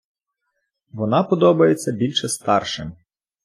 Вона подобається більше старшим.